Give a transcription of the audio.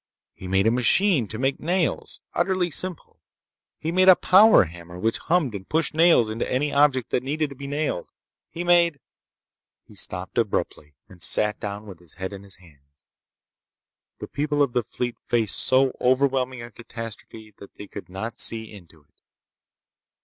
He made a machine to make nails—utterly simple. He made a power hammer which hummed and pushed nails into any object that needed to be nailed. He made— He stopped abruptly, and sat down with his head in his hands. The people of the fleet faced so overwhelming a catastrophe that they could not see into it.